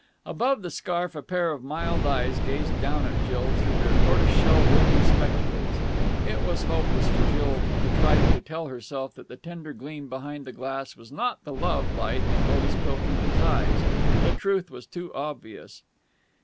Above the scarf a pair of mild eyes gazed down at Jill through their tortoiseshell rimmed spectacles. It was hopeless for Jill to try to tell herself that the tender gleam behind the glass was not the love light in Otis Pilkington's eyes. The truth was too obvious.